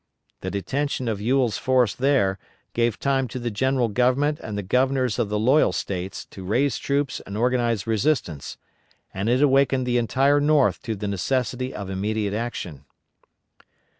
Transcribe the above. The detention of Ewell's force there gave time to the general Government and the Governors of the loyal States to raise troops and organize resistance, and it awakened the entire North to the necessity of immediate action.